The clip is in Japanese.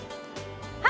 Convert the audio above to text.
はい！